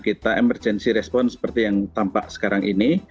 kita emergency response seperti yang tampak sekarang ini